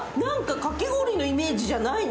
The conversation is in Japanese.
かき氷のイメージじゃないね。